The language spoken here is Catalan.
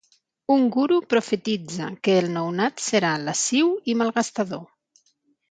Un guru profetitza que el nounat serà lasciu i malgastador.